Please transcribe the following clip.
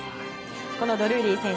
このドルーリー選手